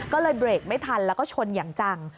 ก็เลยเบรกไม่ทันแล้วก็ชนอย่างจัง